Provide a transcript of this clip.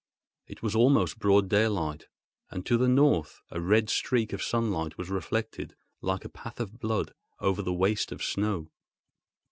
It was almost broad daylight, and to the north a red streak of sunlight was reflected, like a path of blood, over the waste of snow.